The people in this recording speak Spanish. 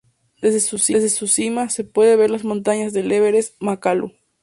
Desde su cima se puede ver las montañas del Everest y Makalu.